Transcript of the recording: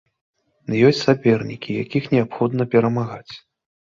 Ёсць сапернікі, якіх неабходна перамагаць.